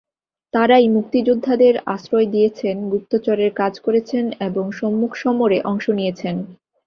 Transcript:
তাঁরাই মুক্তিযোদ্ধাদের আশ্রয় দিয়েছেন, গুপ্তচরের কাজ করেছেন এবং সম্মুখসমরে অংশ নিয়েছেন।